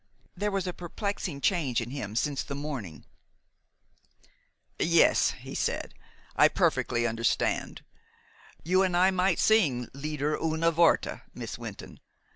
There was a perplexing change in him since the morning. "Yes," he said. "I understand perfectly. You and I might sing lieder ohne worte, Miss Wynton.